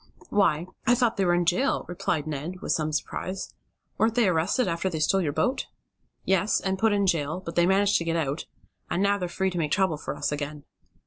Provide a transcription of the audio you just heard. "Why, I thought they were in jail," replied Ned, in some surprise. "Weren't they arrested after they stole your boat?" "Yes, and put in jail, but they managed to get out, and now they're free to make trouble for us again."